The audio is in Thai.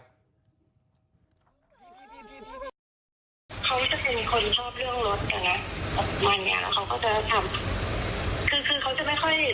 แต่การพูดถึงอาการมันคล้ายอย่างนั้น